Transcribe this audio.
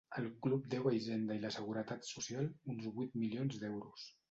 El club deu a Hisenda i la Seguretat Social uns vuit milions d'euros.